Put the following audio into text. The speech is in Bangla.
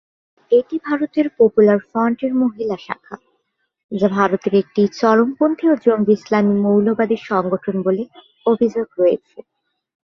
এটি ভারতের পপুলার ফ্রন্টের মহিলা শাখা, যা ভারতের একটি চরমপন্থী ও জঙ্গি ইসলামী মৌলবাদী সংগঠন বলে অভিযোগ রয়েছে।